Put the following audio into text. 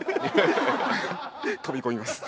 飛び込みます。